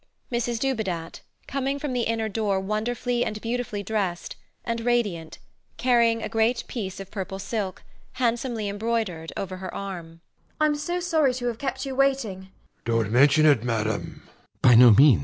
MRS DUBEDAT [coming from the inner door wonderfully and beautifully dressed, and radiant, carrying a great piece of purple silk, handsomely embroidered, over her arm] I'm so sorry to have kept you waiting.